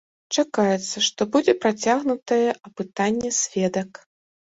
Чакаецца, што будзе працягнутае апытанне сведак.